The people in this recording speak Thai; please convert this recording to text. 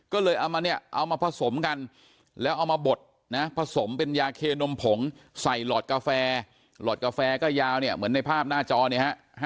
ก็เลยเอามาเนี่ยเอามาผสมกันแล้วเอามาบดนะผสมเป็นยาเคนมผงใส่หลอดกาแฟหลอดกาแฟก็ยาวเนี่ยเหมือนในภาพหน้าจอเนี่ยฮะ